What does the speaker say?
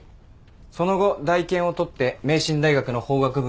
その後大検を取って明進大学の法学部に入学。